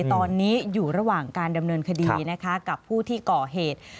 ตอนนี้อยู่ระหว่างการดำเนินคดีนะคะกับผู้ที่ก่อเหตุ